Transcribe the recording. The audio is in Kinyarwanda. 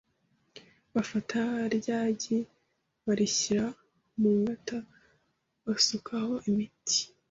bafata rya gi barishyira mu ngata basukaho imiti,